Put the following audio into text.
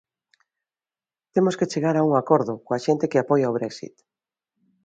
Temos que chegar a un acordo coa xente que apoia o Brexit.